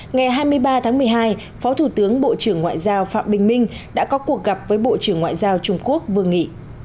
ngày hai mươi ba tháng một mươi hai phó thủ tướng bộ trưởng ngoại giao phạm bình minh đã có cuộc gặp với bộ trưởng ngoại giao trung quốc vương nghị